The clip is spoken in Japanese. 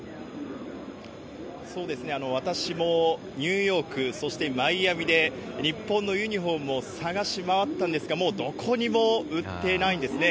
そうですね、私もニューヨーク、そしてマイアミで日本のユニホームを探し回ったんですが、もうどこにも売ってないんですね。